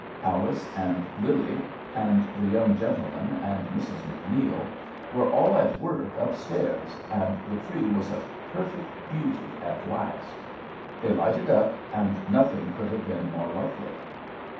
Alice and Lillie, and the young gentlemen, and Mrs. MacNeil, were all at work up stairs, and the tree was a perfect beauty at last. They lighted up, and nothing could have been more lovely.